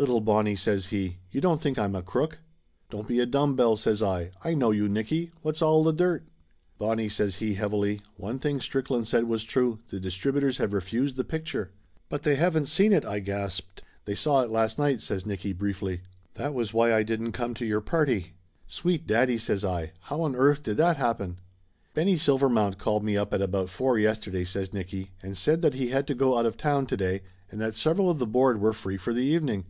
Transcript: "Little Bonnie," says he, "you don't think I'm a crook?" "Don't be a dumb bell !" says I, "I know you, Nicky. What's all the dirt?" "Bonnie," says he heavily, "one thing Strickland said was true. The distributors have refused the pic ture!" "But they haven't seen it !" I gasped. "They saw it last night," says Nicky briefly. "That was why I didn't come to your party." "Sweet daddy!" says I. "How on earth did that happen?" "Benny Silvermount called me up at about four yesterday," says Nicky, "and said that he had to go out of town to day and that several of the board were free for the evening.